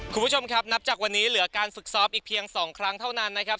คุณผู้ชมครับนับจากวันนี้เหลือการฝึกซ้อมอีกเพียง๒ครั้งเท่านั้นนะครับ